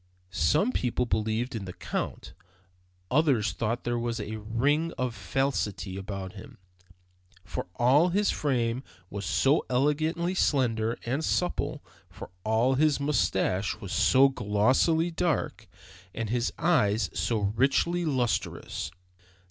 Some people believed in the Count, others thought that there was a ring of falsity about him, for all his frame was so elegantly slender and supple, for all his mustache was so glossily dark, and his eyes so richly lustrous.